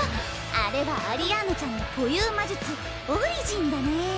あれはアリアーヌちゃんの固有魔術オリジンだね